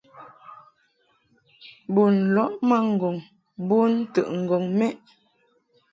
Bun lɔʼ ma ŋgɔŋ bon ntəʼŋgɔŋ mɛʼ.